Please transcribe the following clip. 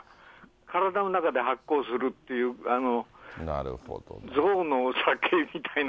体の中で発酵するっていう、ぞうのお酒みたいな。